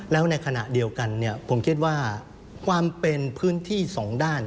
แล้วในขณะเดียวกันผมคิดว่าความเป็นพื้นที่สองด้าน